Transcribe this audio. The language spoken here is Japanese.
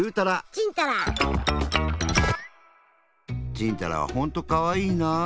ちんたらはほんとかわいいなあ。